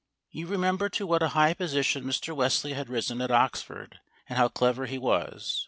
You remember to what a high position Mr. Wesley had risen at Oxford, and how clever he was?